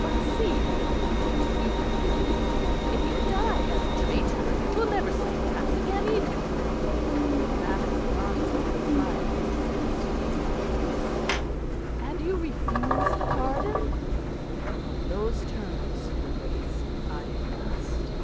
"But, see man, you fool; if you die as a traitor you will never say mass again either." "But that will not be with my consent, your Grace." "And you refuse the pardon?" "On those terms, your Grace, I must."